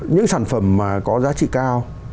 những sản phẩm mà có giá trị cao